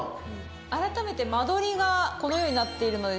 改めて間取りがこの様になっているので。